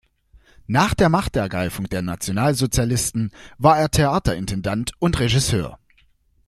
Nach der „Machtergreifung“ der Nationalsozialisten war er Theaterintendant und Regisseur.